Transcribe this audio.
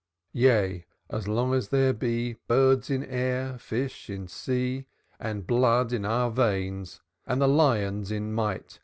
III. "Yea, as long as there he Birds in air, fish in sea, And blood in our veins; And the lions in might.